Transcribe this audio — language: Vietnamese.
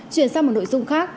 chuyển sang một nội dung khác